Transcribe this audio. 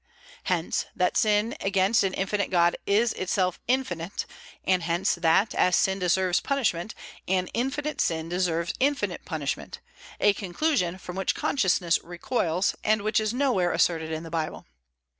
Hence, that sin against an infinite God is itself infinite; and hence that, as sin deserves punishment, an infinite sin deserves infinite punishment, a conclusion from which consciousness recoils, and which is nowhere asserted in the Bible.